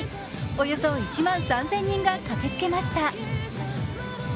およそ１万３０００人が駆けつけました